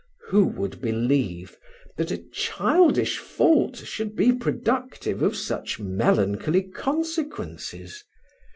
Who would believe, that a childish fault should be productive of such melancholy consequences?